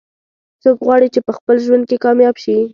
څوک غواړي چې په خپل ژوند کې کامیاب شي